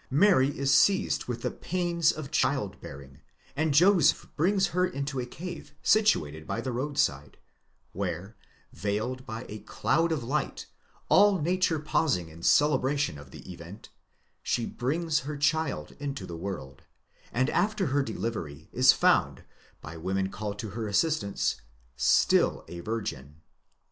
—Mary is seized with the pains of child bearing, and Joseph brings her into a cave situated by the road side, where, veiled by a cloud of light, all nature pausing in celebra tion of the event, she brings her child into the world, and after her delivery is found, by women called to her assistance, still a virgin.